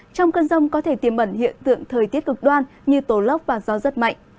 trong cơn rông có thể tiềm mẩn hiện tượng thời tiết cực đoan như tố lốc và gió rất mạnh